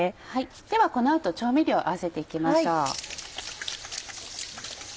ではこの後調味料合わせていきましょう。